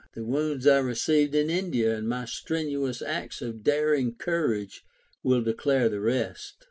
The wounds I re ceived in India and my strenuous acts of daring courage will declare the rest.